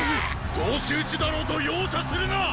同士討ちだろうと容赦するな！